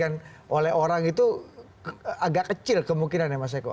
yang banyak dikhawatirkan oleh orang itu agak kecil kemungkinannya mas eko